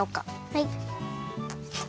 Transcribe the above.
はい。